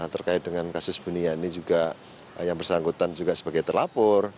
terkait dengan kasus buniani juga yang bersangkutan juga sebagai terlapor